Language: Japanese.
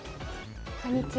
こんにちは。